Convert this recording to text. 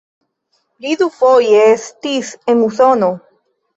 Li dufoje estis en Usono.